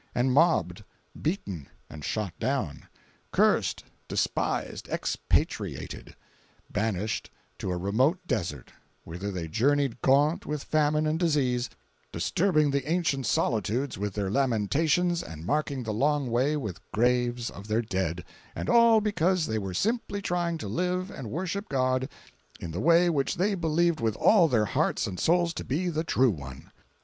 and mobbed, beaten, and shot down; cursed, despised, expatriated; banished to a remote desert, whither they journeyed gaunt with famine and disease, disturbing the ancient solitudes with their lamentations and marking the long way with graves of their dead—and all because they were simply trying to live and worship God in the way which they believed with all their hearts and souls to be the true one.